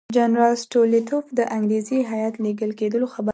جنرال سټولیتوف د انګریزي هیات لېږل کېدلو خبر واورېد.